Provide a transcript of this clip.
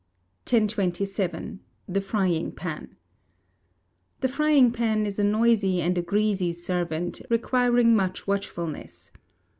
1027. The Frying pan The frying pan is a noisy and a greasy servant, requiring much watchfulness.